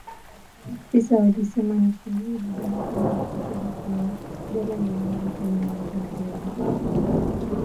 Maafisa walisema ni shilingi bilioni kumi na tatu za Kenya (dolla mia moja kumi na mbili milioni).